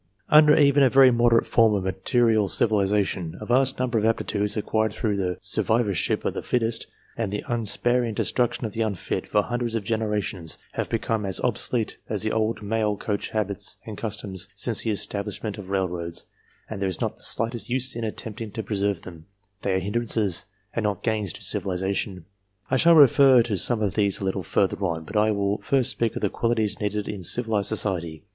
tinder even a very moderate form of material civilization a vast number of aptitudes acquired through the " survivor 326 THE COMPARATIVE WORTH ship of the fittest " and the unsparing destruction of the unfit, for hundreds of generations, have become as obsolete as the old mail coach habits and customs, since the estab lishment of railroads, and there is not the slightest use in attempting to preserve them ; they are hindrances, and not gains, to civilization. I shall refer to some of these a little further on, but I will first speak of the qualities needed in civilized society.